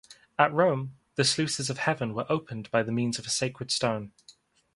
At Rome, the sluices of heaven were opened by means of a sacred stone.